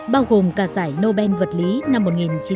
bao gồm cả giải nobel vật lý năm một nghìn chín trăm linh một